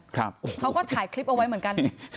เขาก็ถ่ายคลิปเอาไว้เหมือนกัน